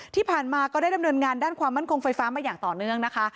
ที่ผ่านมาก็ได้ดำเนินงานด้านความมั่นคงไฟฟ้ามาอย่างต่อเนื่องนะคะ